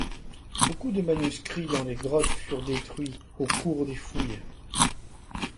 Beaucoup de manuscrits dans les grottes furent détruits au cours des fouilles.